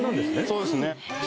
そうですね